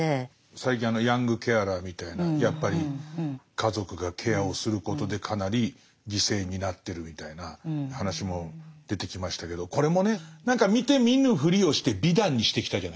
最近ヤングケアラーみたいなやっぱり家族がケアをすることでかなり犠牲になってるみたいな話も出てきましたけどこれもね何か見て見ぬふりをして美談にしてきたじゃないですか。